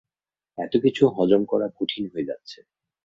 এতকিছু হজম করা কঠিন হয়ে যাচ্ছে।